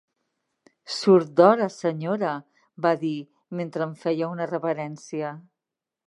"Surt d'hora, senyora," va dir mentre em feia una reverència.